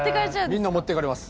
みんな持ってかれます。